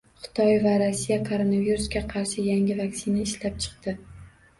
Xitoy va Rossiya koronavirusga qarshi yangi vaksina ishlab chiqdi